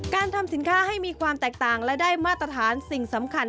การทำสินค้าให้มีความแตกต่างและได้มาตรฐานสิ่งสำคัญ